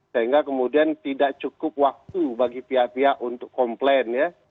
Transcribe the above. sehingga kemudian tidak cukup waktu bagi pihak pihak untuk komplain ya